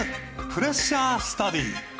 プレッシャースタディ。